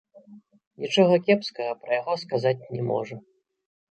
Нічога кепскага пра яго сказаць не можа.